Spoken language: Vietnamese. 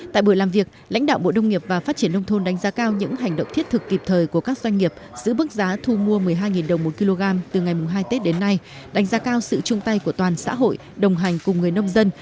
tại buổi làm việc lãnh đạo bộ nông nghiệp và phát triển nông thôn đánh giá cao những hành động thiết thực kịp thời của các doanh nghiệp giữ bức giá thu mua một mươi hai đồng một kg từ ngày hai tết đến nay đánh giá cao sự chung tay của toàn xã hội đồng hành cùng người nông dân